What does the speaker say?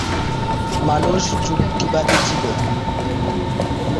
মানুষ যুক্তিবাদী জীবন।